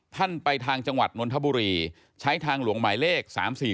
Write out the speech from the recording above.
ท่านไปทางจังหวัดนนทบุรีใช้ทางหลวงหมายเลข๓๔๔